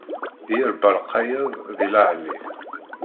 I iṛebba lqayed di leɛli.